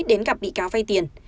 đến gặp bị cáo vay tiền